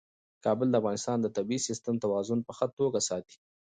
کابل د افغانستان د طبعي سیسټم توازن په ښه توګه ساتي.